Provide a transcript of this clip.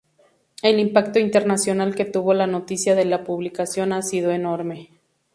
El impacto internacional que tuvo la noticia de la publicación ha sido enorme.